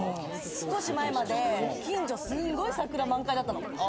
少し前まで近所すんごい桜満開だったの。